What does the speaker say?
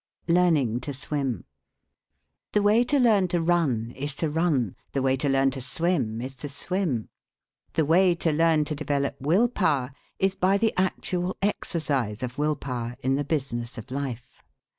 LEARNING TO SWIM. The way to learn to run is to run, the way to learn to swim is to swim. The way to learn to develop will power is by the actual exercise of will power in the business of life.